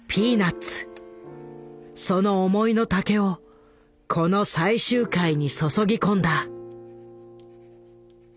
その思いの丈をこの最終回に注ぎ込んだ。